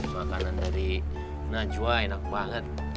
makanan dari najwa enak banget